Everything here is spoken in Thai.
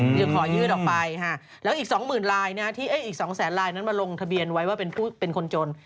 หรือขอยืดออกไปฮะแล้วก็อีก๒หมื่นลายนะฮะที่อีก๒๐๐๐๐๐ลายนั้นมาลงทะเบียนไว้ว่าเป็นคนจน